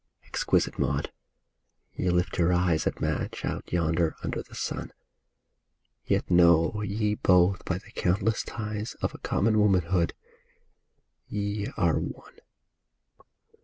Exquisite Maud, you lift your eyes At Madge out yonder under the sun ; Yet know ye both by the countless ties Of a common womanhood ye are one